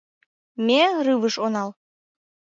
Ме рывыж онал.